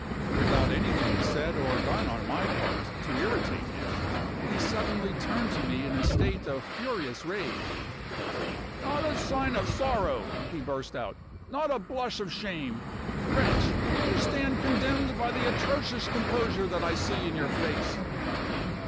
Without anything said or done on my part to irritate him, he suddenly turned to me in a state of furious rage. "Not a sign of sorrow!" he burst out. "Not a blush of shame! Wretch, you stand condemned by the atrocious composure that I see in your face!"